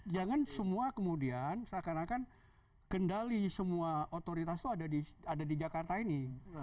jangan semua kemudian seakan akan kendali semua otoritas itu ada di jakarta ini